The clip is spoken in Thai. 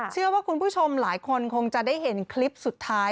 เชื่อว่าคุณผู้ชมหลายคนคงจะได้เห็นคลิปสุดท้าย